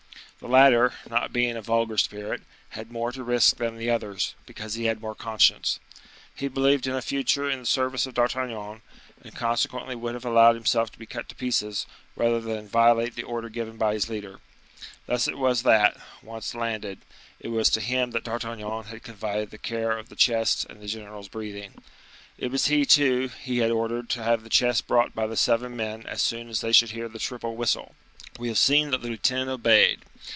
The latter, not being a vulgar spirit, had more to risk than the others, because he had more conscience. He believed in a future in the service of D'Artagnan, and consequently would have allowed himself to be cut to pieces, rather than violate the order given by his leader. Thus it was that, once landed, it was to him that D'Artagnan had confided the care of the chest and the general's breathing. It was he, too, he had ordered to have the chest brought by the seven men as soon as he should hear the triple whistle. We have seen that the lieutenant obeyed.